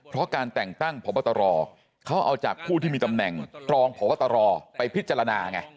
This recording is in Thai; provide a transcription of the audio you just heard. เพราะการแต่งตั้งพบตรเขาเอาจากผู้ที่มีตำแหน่งรองพบตรไปพิจารณาไง